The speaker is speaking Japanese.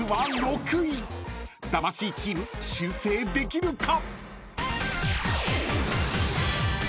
［魂チーム修正できるか？］